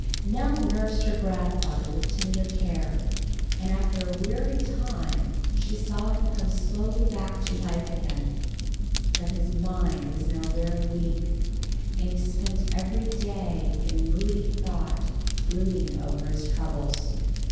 Nell nursed her grandfather with tender care, and after a weary time saw him come slowly back to life again; but his mind was now very weak, and he spent each day in moody thought brooding over his troubles.